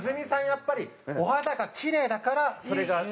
やっぱりお肌がキレイだからそれができるっていう。